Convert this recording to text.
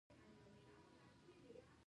ګلان د ځینو ناروغیو لپاره ګټور دي.